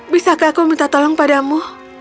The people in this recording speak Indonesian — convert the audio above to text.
bisakah aku minta tolong padamu